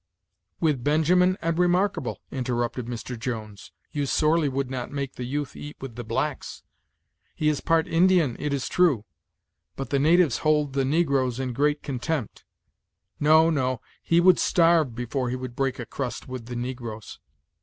"With Benjamin and Remarkable," interrupted Mr. Jones; "you sorely would not make the youth eat with the blacks! He is part Indian, it is true; but the natives hold the negroes in great contempt. No, no; he would starve before he would break a crust with the negroes."